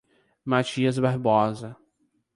Matias Barbosa